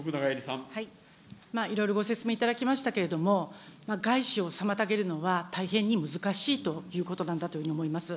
いろいろご説明いただきましたけれども、外資を妨げるのは大変に難しいということなんだというふうに思います。